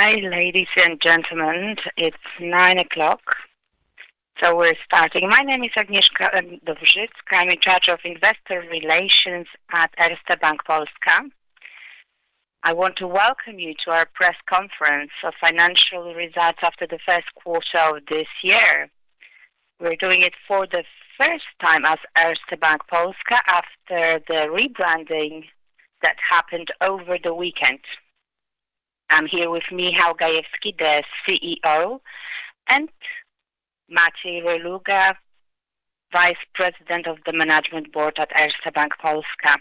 Hi, ladies and gentlemen. It's 9:00, so we're starting. My name is Agnieszka Dowżycka. I'm in charge of Investor Relations at Erste Bank Polska. I want to welcome you to our press conference for financial results after the first quarter of this year. We're doing it for the first time as Erste Bank Polska after the rebranding that happened over the weekend. I'm here with Michał Gajewski, the CEO, and Maciej Reluga, Vice President of the Management Board at Erste Bank Polska.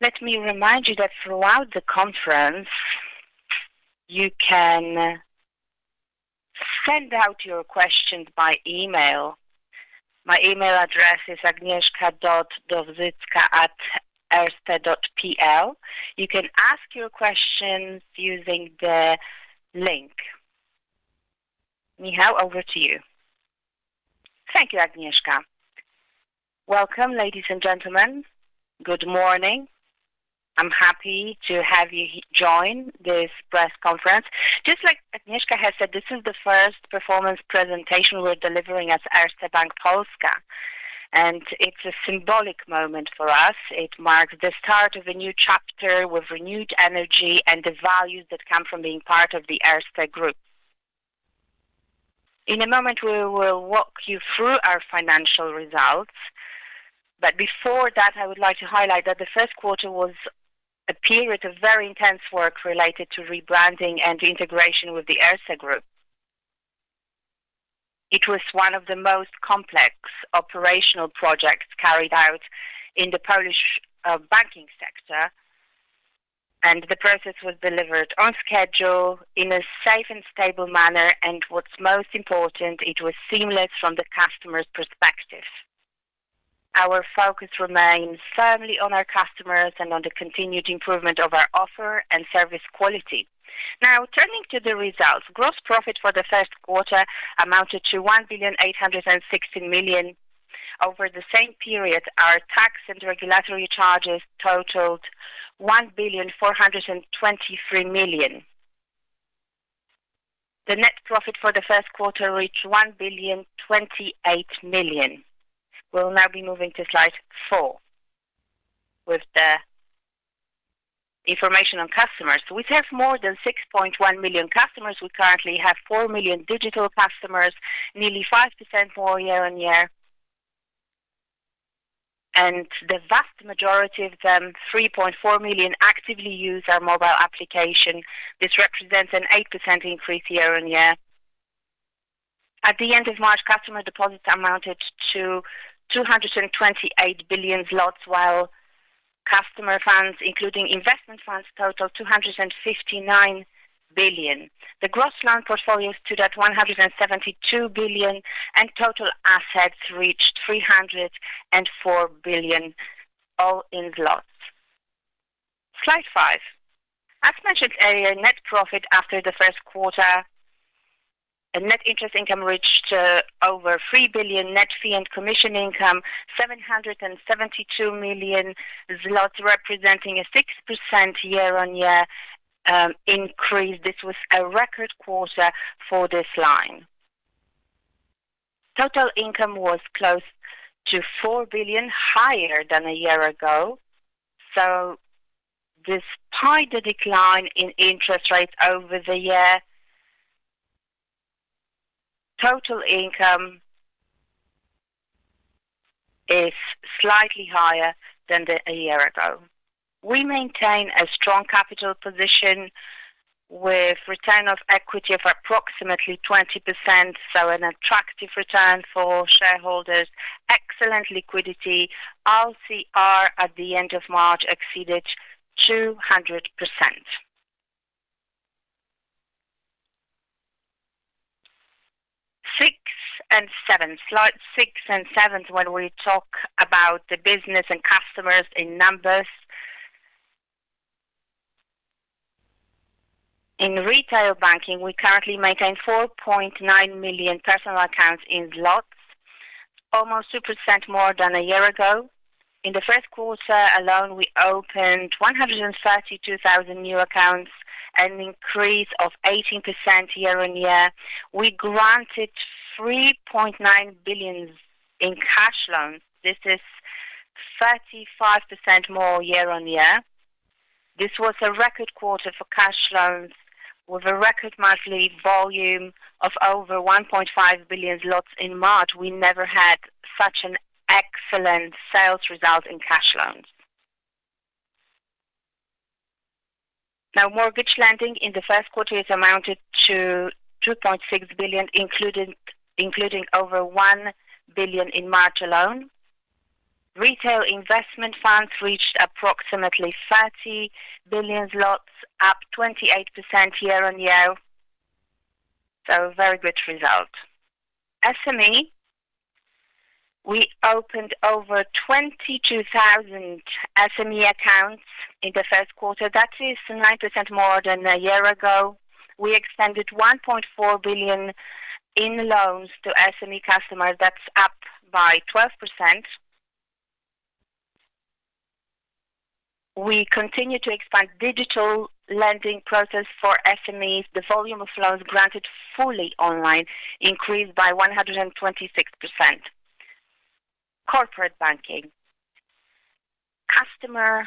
Let me remind you that throughout the conference, you can send out your questions by email. My email address is agnieszka.dowzycka@erstebank.pl. You can ask your questions using the link. Michał, over to you. Thank you, Agnieszka. Welcome, ladies and gentlemen. Good morning. I'm happy to have you join this press conference. Just like Agnieszka has said, this is the first performance presentation we're delivering as Erste Bank Polska, and it's a symbolic moment for us. It marks the start of a new chapter with renewed energy and the values that come from being part of the Erste Group. In a moment, we will walk you through our financial results. Before that, I would like to highlight that the first quarter was a period of very intense work related to rebranding and integration with the Erste Group. It was one of the most complex operational projects carried out in the Polish banking sector, and the process was delivered on schedule in a safe and stable manner, and what's most important, it was seamless from the customer's perspective. Our focus remains firmly on our customers and on the continued improvement of our offer and service quality. Now, turning to the results. Gross profit for the first quarter amounted to 1.86 billion. Over the same period, our tax and regulatory charges totaled 1.423 billion. The net profit for the first quarter reached 1.028 billion. We'll now be moving to slide four with the information on customers. We have more than 6.1 million customers. We currently have 4 million digital customers, nearly 5% more year-on-year. The vast majority of them, 3.4 million, actively use our mobile application. This represents an 8% increase year-on-year. At the end of March, customer deposits amounted to 228 billion zlotys, while customer funds, including investment funds, totaled 259 billion. The gross loan portfolio stood at 172 billion, and total assets reached 304 billion, all in zlotys. Slide five. As mentioned earlier, net profit after the first quarter and net interest income reached over 3 billion, net fee and commission income 772 million zlotys, representing a 6% year-on-year increase. This was a record quarter for this line. Total income was close to 4 billion, higher than a year ago. Despite the decline in interest rates over the year, total income is slightly higher than a year ago. We maintain a strong capital position with return of equity of approximately 20%, so an attractive return for shareholders. Excellent liquidity. LCR at the end of March exceeded 200%. Slides six and seven, when we talk about the business and customers in numbers. In retail banking, we currently maintain 4.9 million personal accounts in zlotys, almost 2% more than a year ago. In the first quarter alone, we opened 132,000 new accounts, an increase of 18% year-on-year. We granted 3.9 billion in cash loans. This is 35% more year-on-year. This was a record quarter for cash loans with a record monthly volume of over 1.5 billion zlotys in March. We never had such an excellent sales result in cash loans. Mortgage lending in the first quarter is amounted to 2.6 billion, including over 1 billion in March alone. Retail investment funds reached approximately 30 billion zlotys, up 28% year-on-year, a very good result. SME, we opened over 22,000 SME accounts in the first quarter. That is 9% more than a year ago. We extended 1.4 billion in loans to SME customers. That's up by 12%. We continue to expand digital lending process for SMEs. The volume of loans granted fully online increased by 126%. Corporate banking. Customer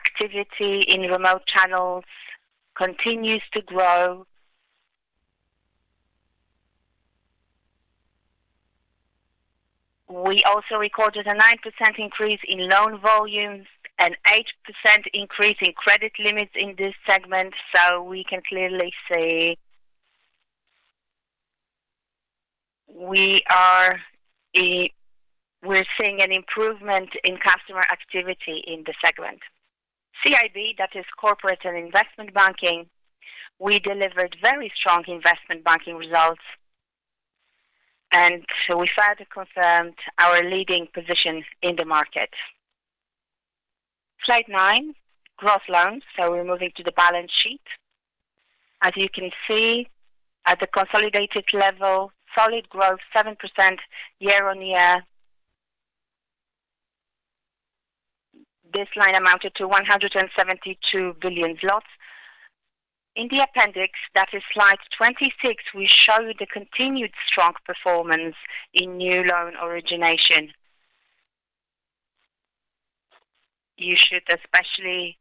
activity in remote channels continues to grow. We also recorded a 9% increase in loan volumes, an 8% increase in credit limits in this segment, we can clearly see we're seeing an improvement in customer activity in the segment. CIB, that is Corporate and Investment Banking. We delivered very strong investment banking results, We further confirmed our leading position in the market. Slide nine, gross loans. We're moving to the balance sheet. As you can see, at the consolidated level, solid growth, 7% year-on-year. This line amounted to 172 billion zlotys. In the appendix, that is slide 26, we show the continued strong performance in new loan origination. You should especially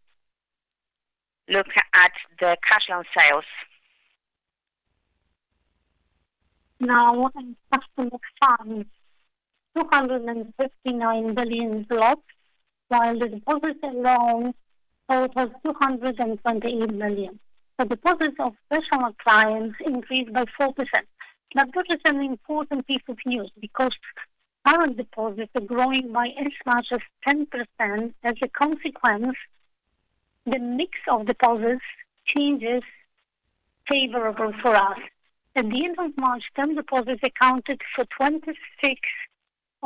look at the cash loan sales. Now in customer funds, 259 billion, while the deposit alone totals 228 billion. Deposits of personal clients increased by 4%. Now this is an important piece of news because current deposits are growing by as much as 10%. As a consequence, the mix of deposits changes favorable for us. At the end of March, term deposits accounted for 26%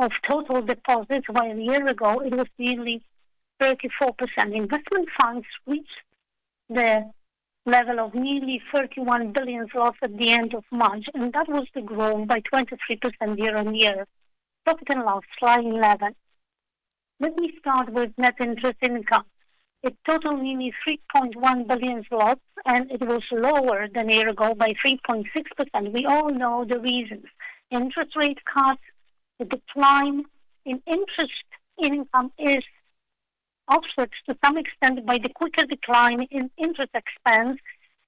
of total deposits, while a year ago it was nearly 34%. Investment funds reached the level of nearly 31 billion zlotys at the end of March, and that was the growth by 23% year-on-year. Profit and loss, slide 11. Let me start with net interest income. It totaled nearly 3.1 billion zlotys, and it was lower than a year ago by 3.6%. We all know the reasons. Interest rate cuts. The decline in interest income is offset to some extent by the quicker decline in interest expense,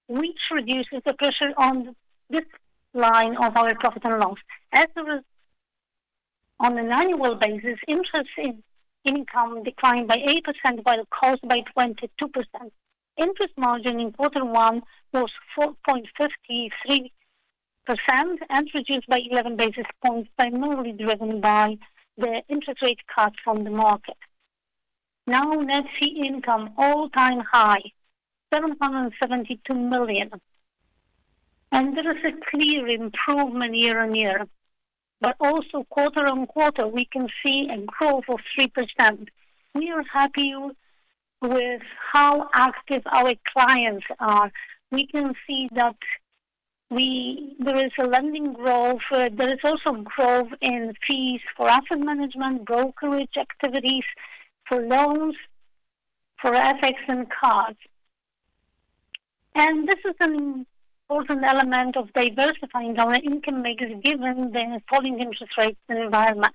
which reduces the pressure on this line of our profit and loss. On an annual basis, interest income declined by 8% while cost by 22%. Interest margin in quarter one was 4.53% and reduced by 11 basis points primarily driven by the interest rate cut from the market. Now net fee income all-time high, 772 million. There is a clear improvement year-on-year, but also quarter-on-quarter we can see a growth of 3%. We are happy with how active our clients are. We can see that there is a lending growth. There is also growth in fees for asset management, brokerage activities, for loans, for FX and cards. This is an important element of diversifying our income mix given the falling interest rate environment.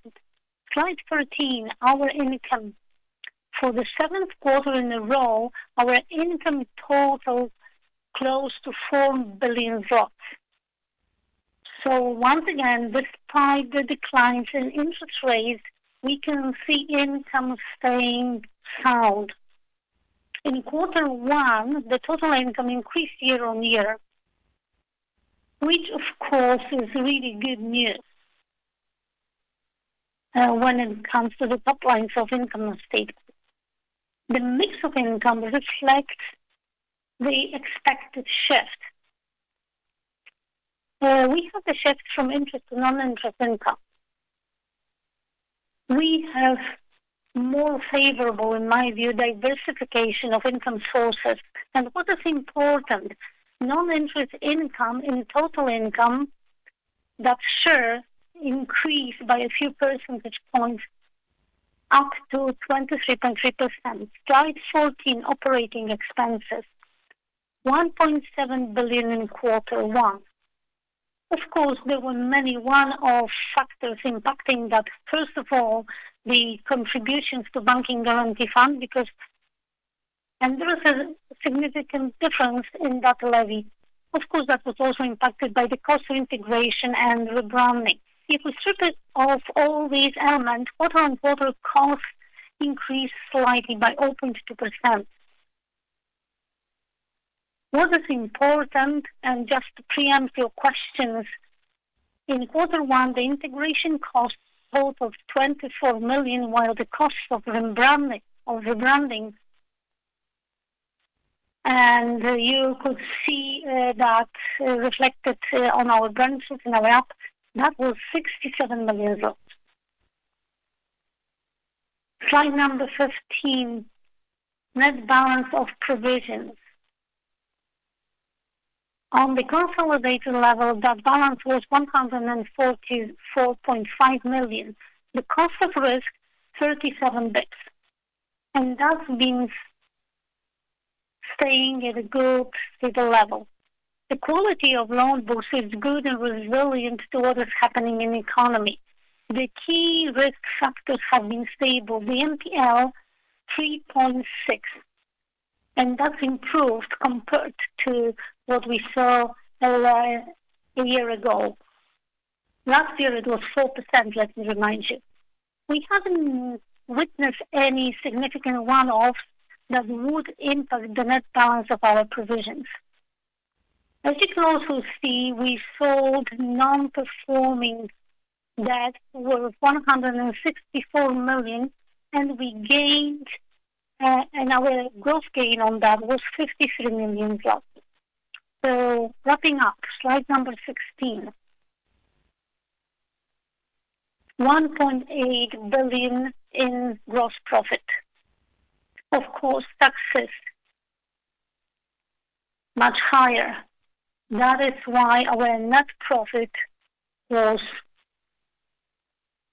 Slide 13, our income. For the seventh quarter in a row, our income totaled close to 4 billion. Once again, despite the declines in interest rates, we can see income staying sound. In Q1, the total income increased year-on-year, which of course is really good news when it comes to the top lines of income statement. The mix of income reflects the expected shift. We have a shift from interest to non-interest income. We have more favorable, in my view, diversification of income sources. What is important, non-interest income in total income, that share increased by a few percentage points up to 23.3%. Slide 14, operating expenses. 1.7 billion in Q1. Of course, there were many one-off factors impacting that. First of all, the contributions to Bank Guarantee Fund. There is a significant difference in that levy. Of course, that was also impacted by the cost of integration and rebranding. If we strip it off all these elements, quarter-on-quarter costs increased slightly by 0.2%. What is important, just to preempt your questions, in quarter one the integration costs totaled 24 million, while the cost of rebranding. You could see that reflected on our branches and our app. That was 67 million. Slide number 15, net balance of provisions. On the consolidated level, that balance was 144.5 million. The cost of risk, 37 bps. That means staying at a group with a level. The quality of loan book is good and resilient to what is happening in economy. The key risk factors have been stable. The NPL 3.6%, and that's improved compared to what we saw a year ago. Last year it was 4%, let me remind you. We haven't witnessed any significant run-off that would impact the net balance of our provisions. As you can also see, we sold non-performing debt worth 164 million, and we gained, and our gross gain on that was 53 million. Wrapping up, slide number 16. 1.8 billion in gross profit. Of course, taxes much higher. That is why our net profit was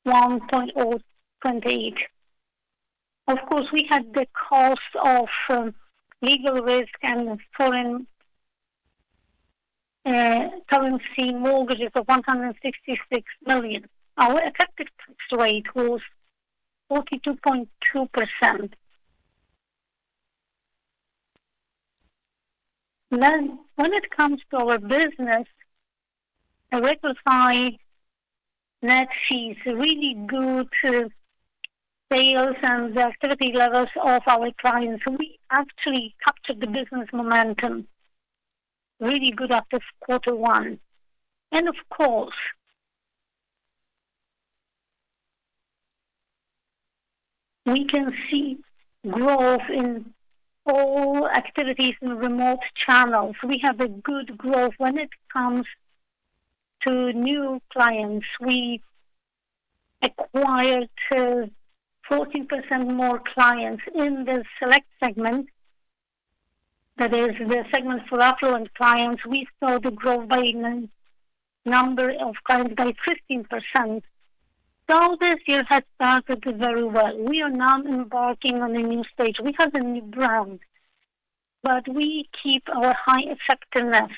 1.028 billion. Of course, we had the cost of legal risk and foreign currency mortgages of 166 million. Our effective tax rate was 42.2%. When it comes to our business, we could find net fees really good sales and the activity levels of our clients. We actually captured the business momentum really good at this Q1. Of course, we can see growth in all activities in remote channels. We have a good growth when it comes to new clients. We acquired 14% more clients in the select segment. That is the segment for affluent clients. We saw the growth by number of clients by 15%. This year had started very well. We are now embarking on a new stage. We have a new brand, but we keep our high effectiveness.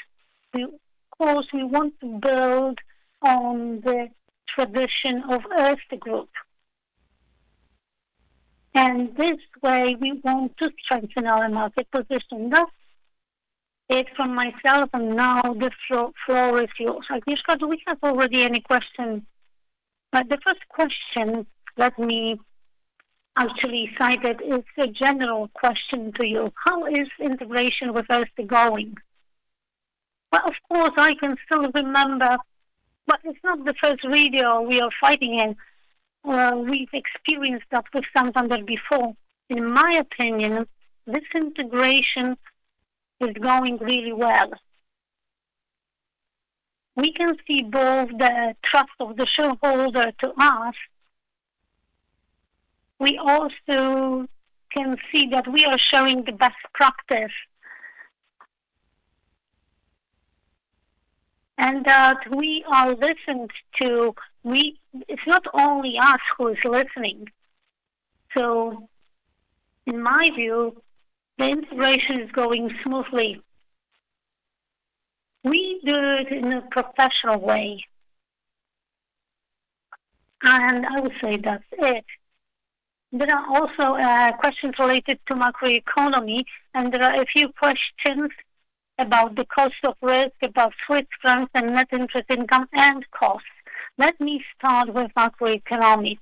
Of course, we want to build on the tradition of Erste Group. This way we want to strengthen our market position. That's it from myself. Now the floor is yours. Agnieszka, do we have already any questions? The first question, let me actually cite it, is a general question to you. How is integration with Erste going? Well, of course, I can still remember. It's not the first radio we are fighting in. We've experienced that with Santander before. In my opinion, this integration is going really well. We can see both the trust of the shareholder to us. We also can see that we are showing the best practice. That we are listened to. It's not only us who is listening. In my view, the integration is going smoothly. We do it in a professional way. I would say that's it. There are also questions related to macroeconomy. There are a few questions about the cost of risk, about Swiss franc and net interest income and cost. Let me start with macroeconomy.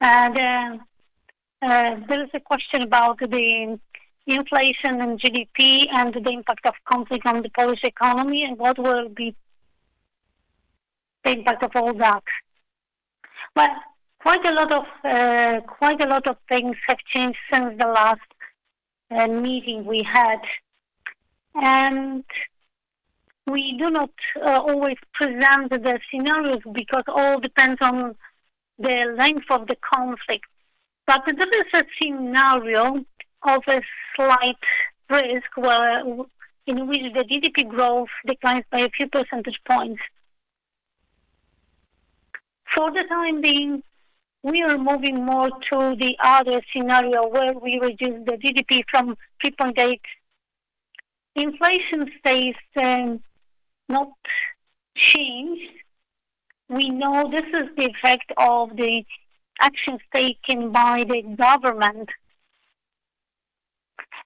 There is a question about the inflation and GDP and the impact of conflict on the Polish economy and what will be the impact of all that. Well, quite a lot of, quite a lot of things have changed since the last meeting we had. We do not always present the scenarios because all depends on the length of the conflict. There is a scenario of a slight risk in which the GDP growth declines by a few percentage points. For the time being, we are moving more to the other scenario where we reduce the GDP from 3.8%. Inflation stays not changed. We know this is the effect of the actions taken by the government.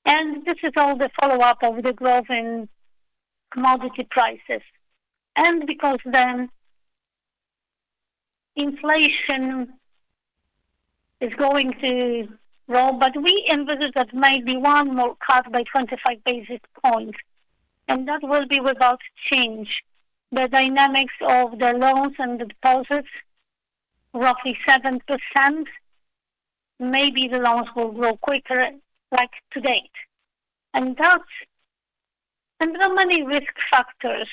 This is all the follow-up of the growth in commodity prices. The inflation is going to roll, we envisage that maybe one more cut by 25 basis points, that will be without change. The dynamics of the loans and the deposits, roughly 7%, maybe the loans will grow quicker like to date. There are many risk factors.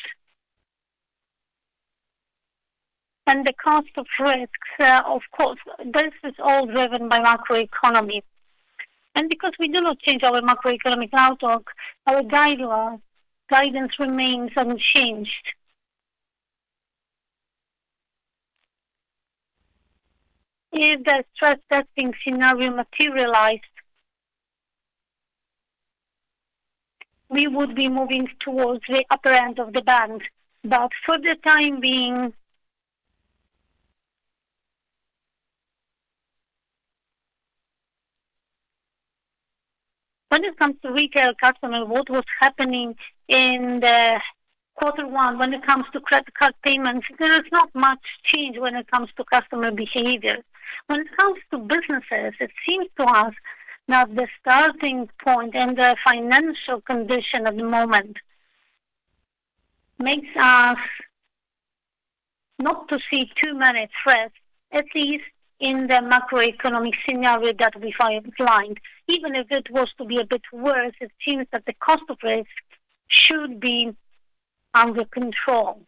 The cost of risks, of course, this is all driven by macroeconomy. We do not change our macroeconomic outlook, our guidance remains unchanged. If the stress testing scenario materialized, we would be moving towards the upper end of the band. For the time being. When it comes to retail customer, what was happening in the quarter one when it comes to credit card payments, there is not much change when it comes to customer behavior. When it comes to businesses, it seems to us that the starting point and the financial condition at the moment makes us not to see too many threats, at least in the macroeconomic scenario that we find. Even if it was to be a bit worse, it seems that the cost of risk should be under control.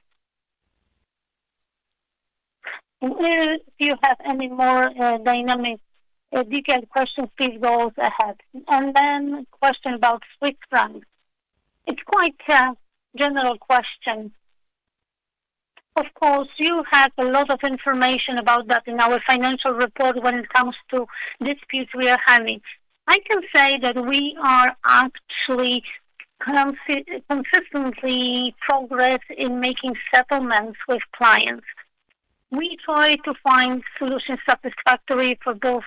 If you have any more dynamic or detailed questions, please go ahead. Question about Swiss franc. It’s quite a general question. Of course, you have a lot of information about that in our financial report when it comes to disputes we are having. I can say that we are actually consistently progress in making settlements with clients. We try to find solutions satisfactory for both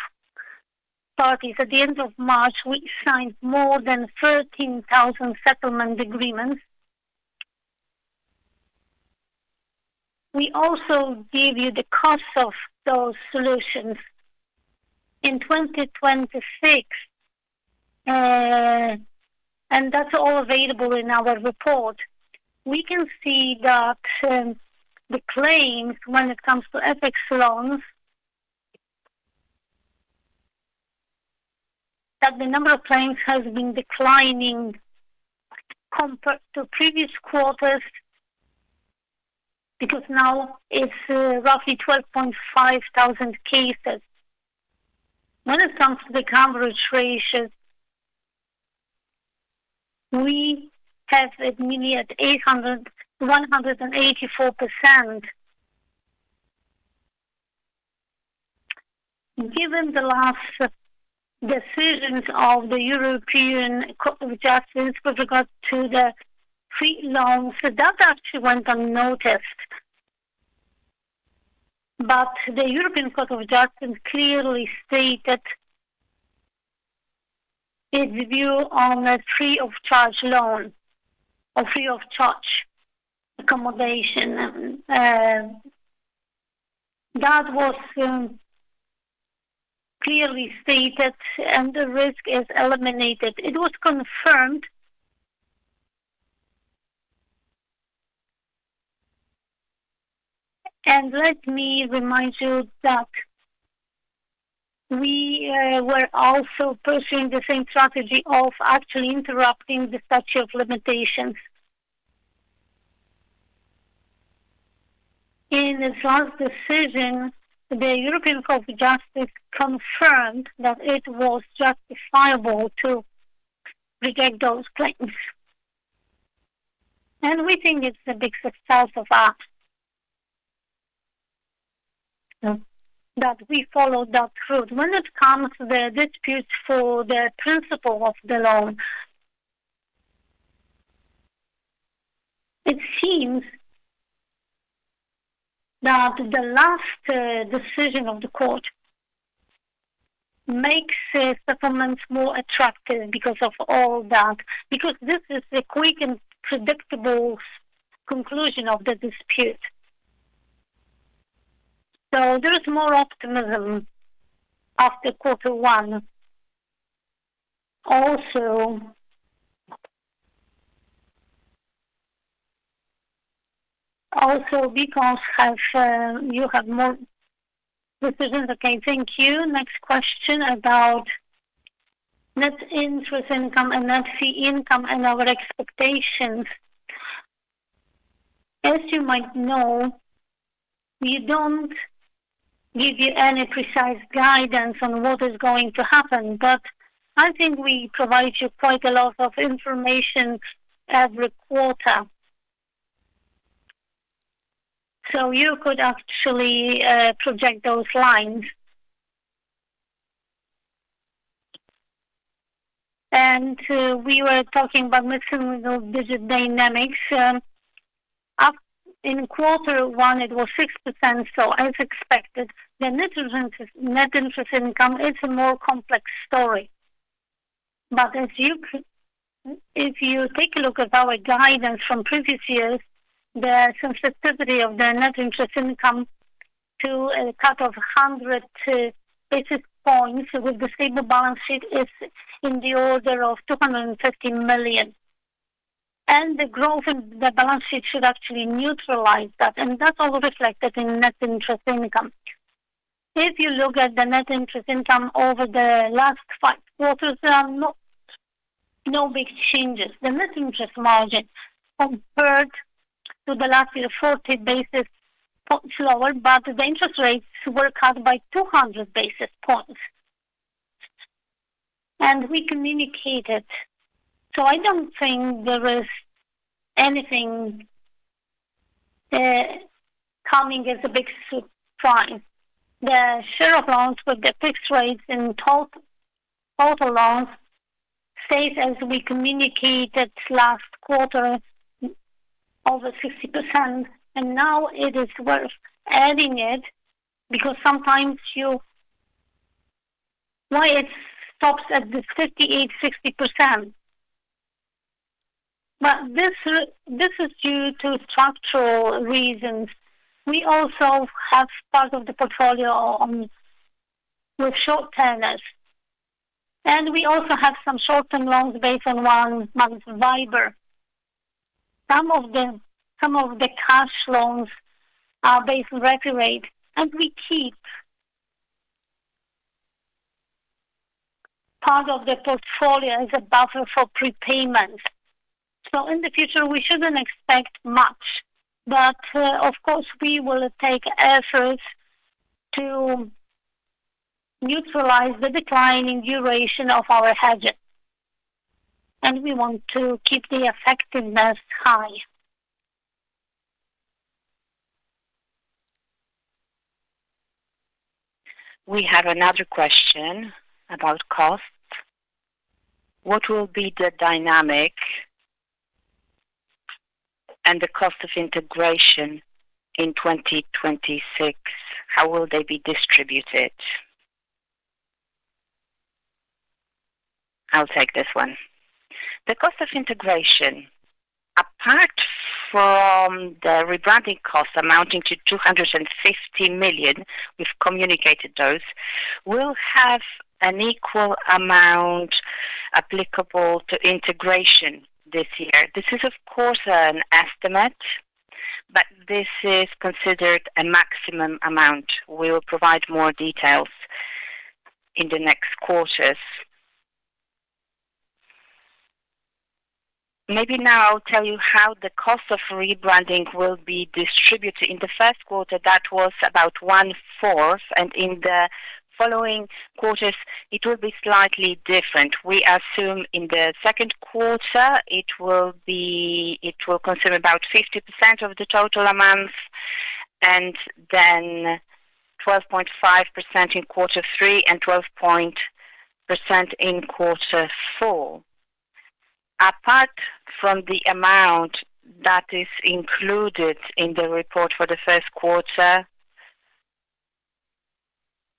parties. At the end of March, we signed more than 13,000 settlement agreements. We also give you the cost of those solutions. In 2026, and that's all available in our report, we can see that the claims when it comes to FX loans, that the number of claims has been declining compared to previous quarters because now it's roughly 12,500 cases. When it comes to the coverage ratios, we have it nearly at 184%. Given the last decisions of the European Court of Justice with regards to the free loans, that actually went unnoticed. The European Court of Justice clearly stated its view on a free of charge loan or free of charge accommodation. That was clearly stated, and the risk is eliminated. It was confirmed. Let me remind you that we were also pursuing the same strategy of actually interrupting the statute of limitations. In its last decision, the European Court of Justice confirmed that it was justifiable to reject those claims. We think it's a big success of us that we followed that route. When it comes to the dispute for the principal of the loan, it seems that the last decision of the court makes settlements more attractive because of all that. This is a quick and predictable conclusion of the dispute. There is more optimism after quarter one. Also because you have more decisions. Okay, thank you. Next question about net interest income and net fee income and our expectations. As you might know, we don't give you any precise guidance on what is going to happen. I think we provide you quite a lot of information every quarter. You could actually project those lines. We were talking about mixed single-digit dynamics. Up in quarter one it was 6%, as expected. The net interest income is a more complex story. If you take a look at our guidance from previous years, the sensitivity of the net interest income to a cut of 100 basis points with the stable balance sheet is in the order of 250 million. The growth in the balance sheet should actually neutralize that, and that's all reflected in net interest income. If you look at the net interest income over the last five quarters, there are no big changes. The net interest margin compared to the last year, 40 basis points lower, but the interest rates were cut by 200 basis points. We communicated. I don't think there is anything coming as a big surprise. The share of loans with the fixed rates in total loans stays as we communicated last quarter, over 60%. Now it is worth adding it because sometimes. Why it stops at the 58%, 60%. This is due to structural reasons. We also have part of the portfolio with short tenors. We also have some short and long based on one month WIBOR. Some of the cash loans are based on regular rate. We keep part of the portfolio as a buffer for prepayment. In the future, we shouldn't expect much. Of course, we will take efforts to neutralize the decline in duration of our hedges. We want to keep the effectiveness high. We have another question about costs. What will be the dynamic and the cost of integration in 2026? How will they be distributed? I'll take this one. The cost of integration, apart from the rebranding costs amounting to 250 million, we've communicated those, we'll have an equal amount applicable to integration this year. This is of course an estimate, this is considered a maximum amount. We will provide more details in the next quarters. Maybe now I'll tell you how the cost of rebranding will be distributed. In Q1, that was about 1/4, in the following quarters, it will be slightly different. We assume in Q2, it will consume about 50% of the total amount, 12.5% in Q3 and 12.0% in Q4. Apart from the amount that is included in the report for the first quarter,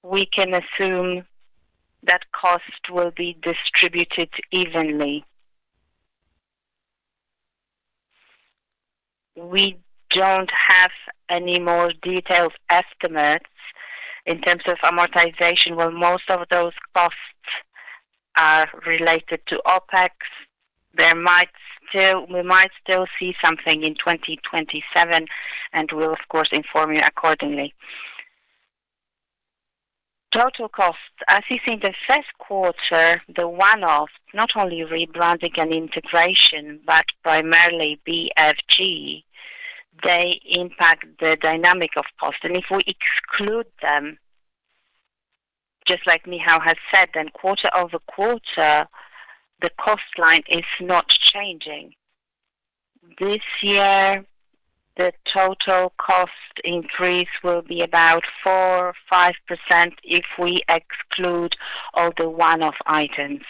we can assume that cost will be distributed evenly. We don't have any more detailed estimates in terms of amortization. Well, most of those costs are related to OpEx. We might still see something in 2027, and we'll of course inform you accordingly. Total costs. As you see in the first quarter, the one-off, not only rebranding and integration, but primarily BFG, they impact the dynamic of cost. If we exclude them, just like Michał has said, then quarter-over-quarter, the cost line is not changing. This year, the total cost increase will be about 4%-5% if we exclude all the one-off items.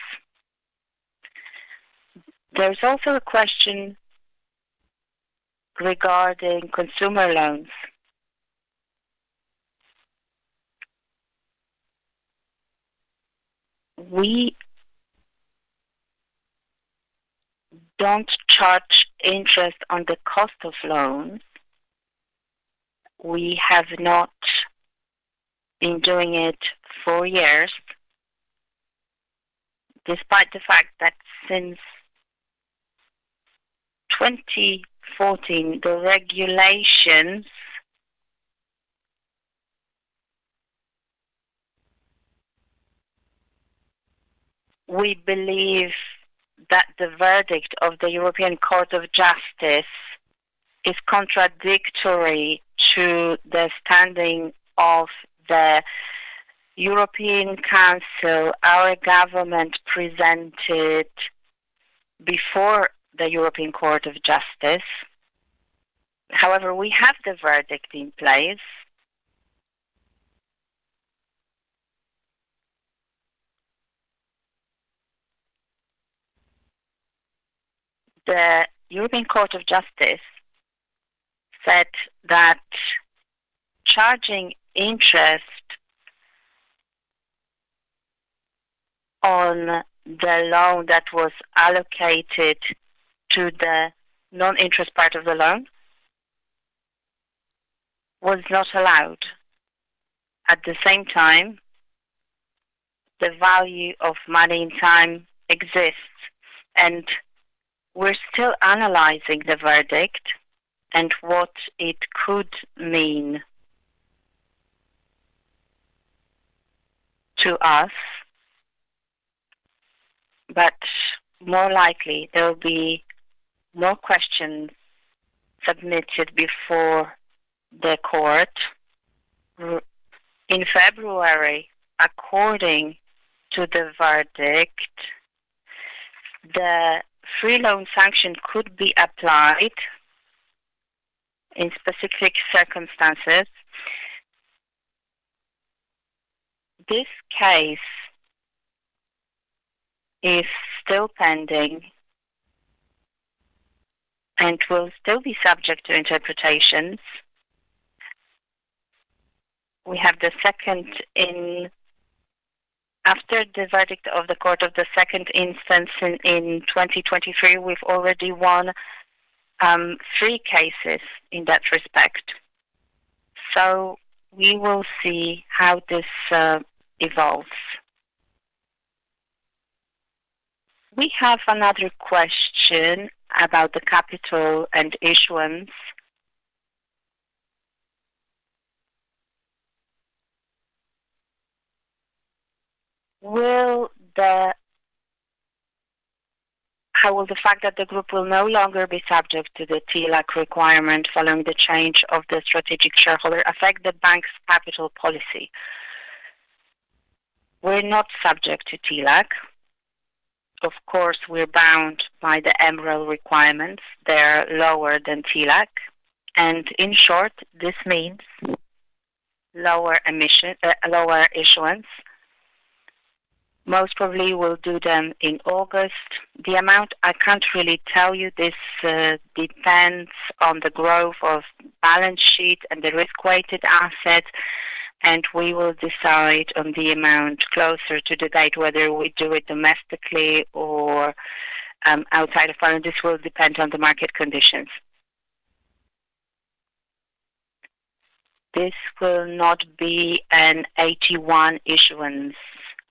There's also a question regarding consumer loans. We don't charge interest on the cost of loans. We have not been doing it for years, despite the fact that since 2014, the regulations. We believe that the verdict of the European Court of Justice is contradictory to the standing of the European Council our government presented before the European Court of Justice. We have the verdict in place. The European Court of Justice said that charging interest on the loan that was allocated to the non-interest part of the loan was not allowed. At the same time, the value of money and time exists. We're still analyzing the verdict and what it could mean to us. More likely there will be no questions submitted before the court. In February, according to the verdict, the free loan sanction could be applied in specific circumstances. This case is still pending and will still be subject to interpretations. We have the second after the verdict of the court of the second instance in 2023, we've already won three cases in that respect. We will see how this evolves. We have another question about the capital and issuance. How will the fact that the group will no longer be subject to the TLAC requirement following the change of the strategic shareholder affect the bank's capital policy? We're not subject to TLAC. Of course, we're bound by the MREL requirements. They're lower than TLAC, and in short, this means lower issuance. Most probably we'll do them in August. The amount, I can't really tell you. This depends on the growth of balance sheet and the risk-weighted assets, and we will decide on the amount closer to the date, whether we do it domestically or outside of Poland. This will depend on the market conditions. This will not be an AT1 issuance.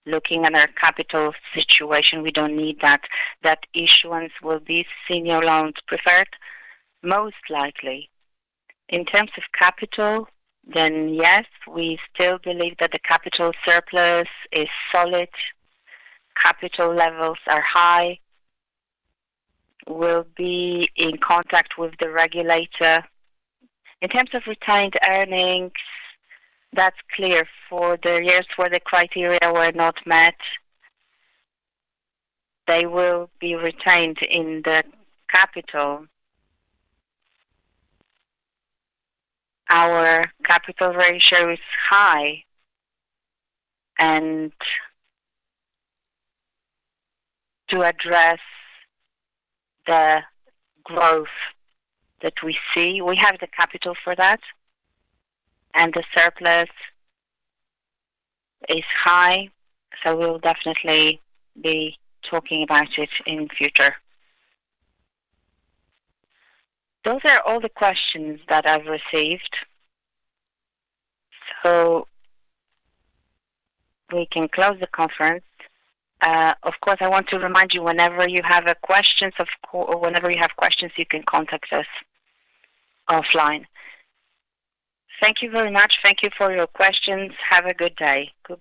Looking at our capital situation, we don't need that. That issuance will be senior non-preferred, most likely. In terms of capital, yes, we still believe that the capital surplus is solid, capital levels are high. We'll be in contact with the regulator. In terms of retained earnings, that's clear. For the years where the criteria were not met, they will be retained in the capital. Our capital ratio is high, to address the growth that we see, we have the capital for that, and the surplus is high. We'll definitely be talking about it in future. Those are all the questions that I've received. We can close the conference. Of course, I want to remind you, whenever you have questions, you can contact us offline. Thank you very much. Thank you for your questions. Have a good day. Goodbye.